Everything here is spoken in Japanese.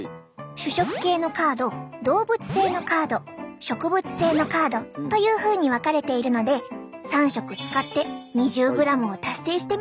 主食系のカード動物性のカード植物性のカードというふうに分かれているので３色使って２０ｇを達成してみてください。